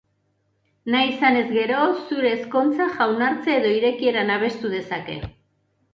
Nahi izatenez gero, zure ezkontza, jaunartze edo irekieran abestu dezake.